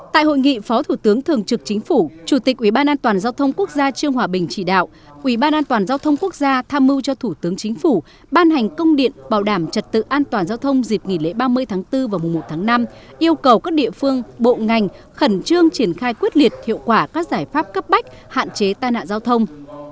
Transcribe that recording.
tại hội nghị phó thủ tướng thường trực chính phủ chủ tịch ủy ban an toàn giao thông quốc gia trương hòa bình chỉ đạo ủy ban an toàn giao thông quốc gia tham mưu cho thủ tướng chính phủ ban hành công điện bảo đảm trật tự an toàn giao thông dịp nghỉ lễ ba mươi tháng bốn và mùa một tháng năm yêu cầu các địa phương bộ ngành khẩn trương triển khai quyết liệt hiệu quả các giải pháp cấp bách hạn chế tai nạn giao thông